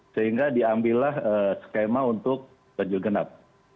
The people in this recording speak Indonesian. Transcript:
sehingga diambillah skema untuk ganjil genap